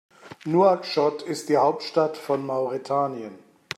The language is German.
Nouakchott ist die Hauptstadt von Mauretanien.